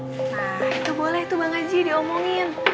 nah itu boleh tuh bang haji diomongin